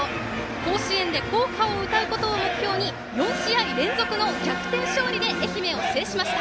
甲子園で校歌を歌うことを目標に４試合連続の逆転勝利で愛媛を制しました。